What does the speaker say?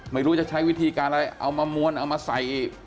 ไม่รู้จะใช้วิธีการอะไรเอามามวลเอามาใส่